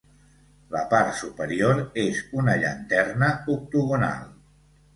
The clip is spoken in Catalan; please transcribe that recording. La part superior és una llanterna octogonal.